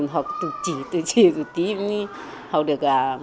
học từ trí từ trí từ tí mới học được